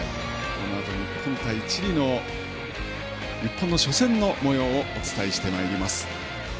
このあと、日本とチリの日本の初戦のもようをお伝えしてまいります。